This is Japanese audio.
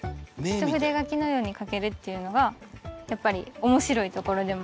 ひと筆書きのように書けるっていうのがやっぱり面白いところでもあるし。